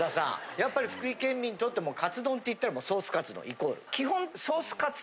やっぱり福井県民にとってもうカツ丼って言ったらもうソースカツ丼イコール？